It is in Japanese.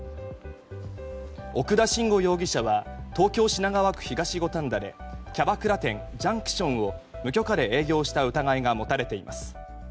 奥田伸吾容疑者は東京・品川区東五反田でキャバクラ店ジャンクションを無許可で営業した疑いが持たれています。